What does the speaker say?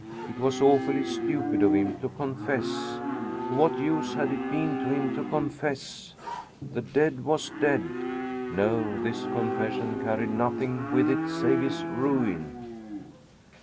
It was awfully stupid of him to confess. Of what use had it been to him to confess? The dead was dead. No, this confession carried nothing with it save his ruin.